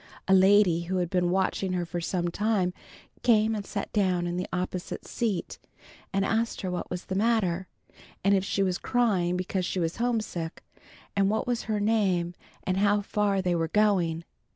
A lady who had been watching her for some time, came and sat down in the opposite seat and asked her what was the matter, and if she was crying because she was homesick, and what was her name and how far they were going.